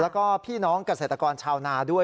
แล้วก็พี่น้องเกษตรกรชาวนาด้วย